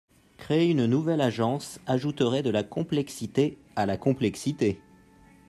Créer une nouvelle agence ajouterait de la complexité à la complexité.